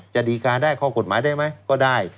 จะดีการได้ข้อกฎหมายได้ไหมก็ได้